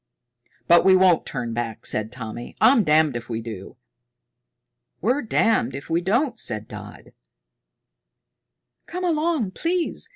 "But we won't turn back," said Tommy. "I'm damned if we do." "We're damned if we don't," said Dodd. "Come along please!"